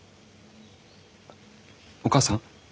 お母さん？